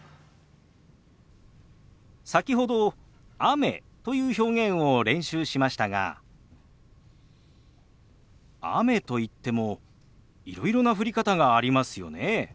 先ほど「雨」という表現を練習しましたが雨といってもいろいろな降り方がありますよね。